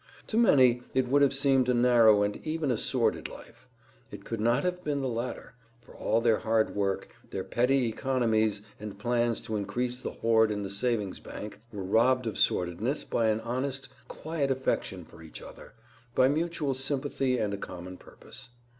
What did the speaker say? To many it would have seemed a narrow and even a sordid life. It could not have been the latter, for all their hard work, their petty economies and plans to increase the hoard in the savings bank were robbed of sordidness by an honest, quiet affection for each other, by mutual sympathy and a common purpose.